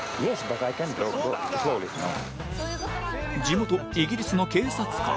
地元イギリスの警察官。